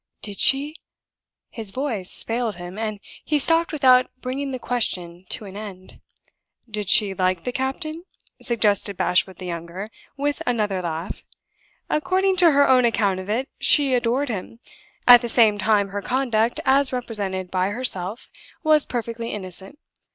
"Did she ?" His voice failed him, and he stopped without bringing the question to an end. "Did she like the captain?" suggested Bashwood the younger, with another laugh. "According to her own account of it, she adored him. At the same time her conduct (as represented by herself) was perfectly innocent.